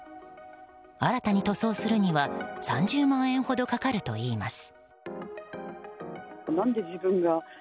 新たに塗装するには３０万円ほどかかるといいます。